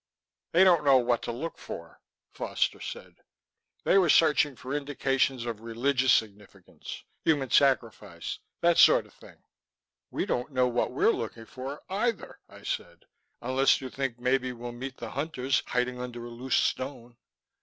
"They don't know what to look for," Foster said. "They were searching for indications of religious significance, human sacrifice that sort of thing." "We don't know what we're looking for either," I said. "Unless you think maybe we'll meet the Hunters hiding under a loose stone."